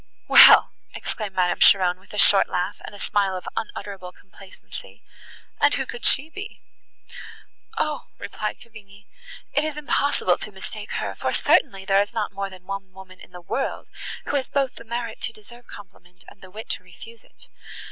"Well!" exclaimed Madame Cheron, with a short laugh, and a smile of unutterable complacency, "and who could she be?" "O!" replied Cavigni, "it is impossible to mistake her, for certainly there is not more than one woman in the world, who has both the merit to deserve compliment and the wit to refuse it.